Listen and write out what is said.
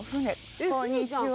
こんにちは。